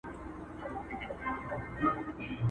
o کږه غاړه توره نه خوري٫